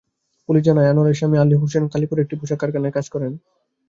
Police জানায়, আনোয়ারার স্বামী আলী হোসেন কাশিমপুরের একটি পোশাক কারখানায় কাজ করেন।